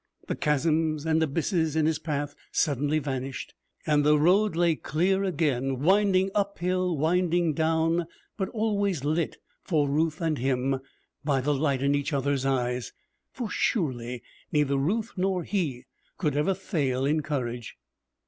The chasms and abysses in his path suddenly vanished, and the road lay clear again, winding uphill, winding down, but always lit for Ruth and him by the light in each other's eyes. For surely neither Ruth nor he could ever fail in courage!